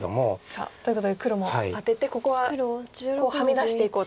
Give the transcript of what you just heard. さあということで黒もアテてここははみ出していこうと。